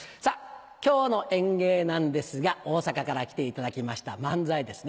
今日の演芸なんですが大阪から来ていただきました漫才ですね。